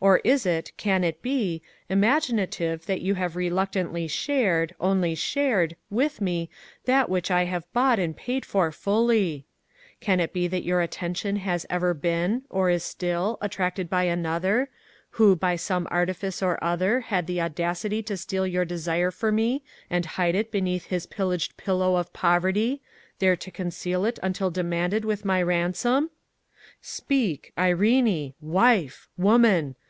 "Or is it, can it be, imaginative that you have reluctantly shared, only shared, with me that which I have bought and paid for fully? "Can it be that your attention has ever been, or is still, attracted by another, who, by some artifice or other, had the audacity to steal your desire for me and hide it beneath his pillaged pillow of poverty, there to conceal it until demanded with my ransom? "Speak! Irene! Wife! Woman!